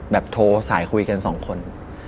แบบโทรสายคุยกัน๒คน